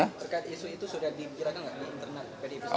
terkait isu itu sudah dikirakan nggak di internet